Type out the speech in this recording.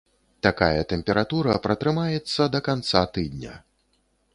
Такая тэмпература пратрымаецца да канца тыдня.